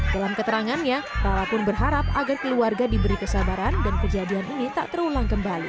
dalam keterangannya rala pun berharap agar keluarga diberi kesabaran dan kejadian ini tak terulang kembali